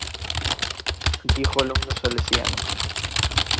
Antigo alumno salesiano.